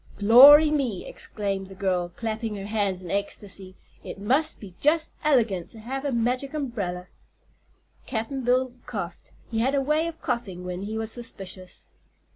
"Glory me!" exclaimed the girl, clapping her hands in ecstacy; "it must be jus' elegant to have a Magic Umbrel!" Cap'n Bill coughed. He had a way of coughing when he was suspicious.